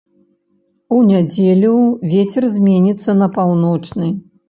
У нядзелю вецер зменіцца на паўночны.